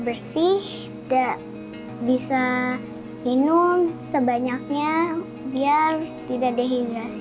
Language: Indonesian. bersih gak bisa minum sebanyaknya biar tidak dehidrasi